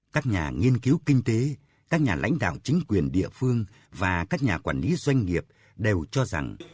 các nhà nghiên cứu kinh tế các nhà lãnh đạo chính quyền địa phương và các nhà quản lý doanh nghiệp đều cho rằng